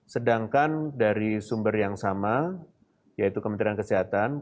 sedangkan dari sumber yang sama yaitu kementerian kesehatan